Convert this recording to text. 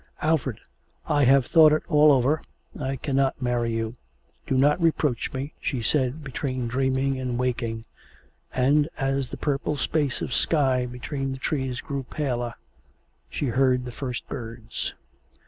... 'Alfred, I have thought it all over. I cannot marry you. ... Do not reproach me,' she said between dreaming and waking; and as the purple space of sky between the trees grew paler, she heard the first birds.